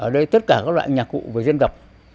ở đây tất cả các loại nhạc cụ về dân tộc